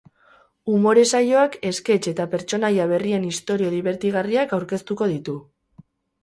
Umore saioak esketx eta pertsonaia berrien istorio dibertigarriak aurkeztuko ditu.